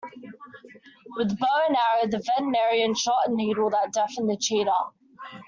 With bow and arrow the veterinarian shot a needle that deafened the cheetah.